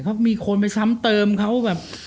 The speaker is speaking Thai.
เขามีคนไปซ้ำเติมเขาแบบ